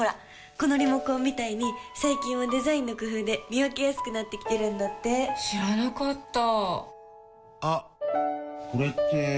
このリモコンみたいに最近はデザインの工夫で見分けやすくなってきてるんだって知らなかったあっ、これって・・・